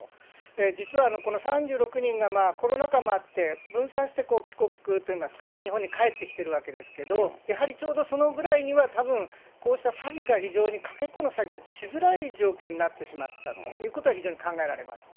実はこの３６人がコロナ禍もあって、分散して帰国といいますかね、日本に帰ってきてるわけですけど、やはりちょうどそのぐらいにはたぶん、こうした詐欺が非常にかけ子の詐欺がしづらい状況になってしまったということが非常に考えられます。